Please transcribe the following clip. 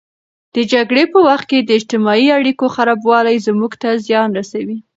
د جګړې په وخت کې د اجتماعي اړیکو خرابوالی زموږ ته زیان رسوي.